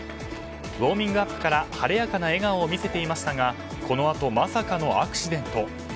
ウォーミングアップから晴れやかな笑顔を見せていましたがこのあと、まさかのアクシデント。